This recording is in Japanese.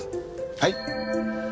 はい？